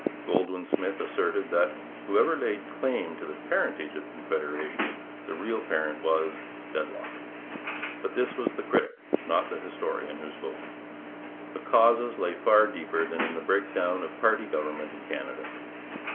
Goldwin Smith asserted that, whoever laid claim to the parentage of Confederation, the real parent was Deadlock. But this was the critic, not the historian, who spoke. The causes lay far deeper than in the breakdown of party government in Canada.